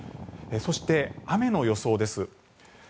そして、雨の予想です。